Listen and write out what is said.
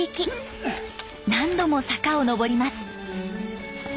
何度も坂を上ります。